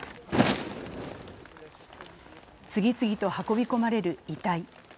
次々と運び込まれる遺体。